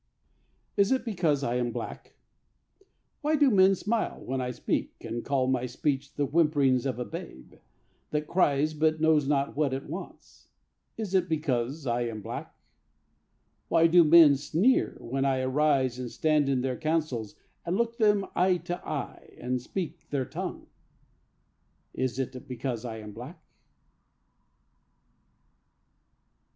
IS IT BECAUSE I AM BLACK? Why do men smile when I speak, And call my speech The whimperings of a babe That cries but knows not what it wants? Is it because I am black? Why do men sneer when I arise And stand in their councils, And look them eye to eye, And speak their tongue? Is it because I am black?